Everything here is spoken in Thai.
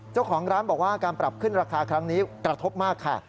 เจ้าของร้านบอกว่าการปรับขึ้นราคาครั้งนี้กระทบมากค่ะ